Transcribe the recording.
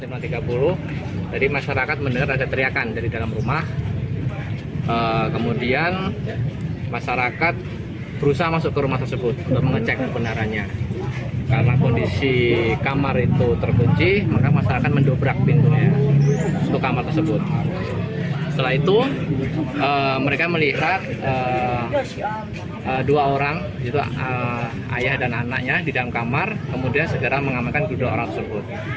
lalu mereka melihat dua orang ayah dan anaknya di dalam kamar kemudian segera mengamankan kedua orang tersebut